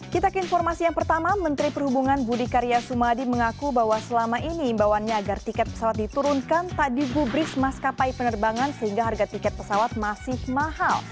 kita ke informasi yang pertama menteri perhubungan budi karya sumadi mengaku bahwa selama ini imbauannya agar tiket pesawat diturunkan tak digubris maskapai penerbangan sehingga harga tiket pesawat masih mahal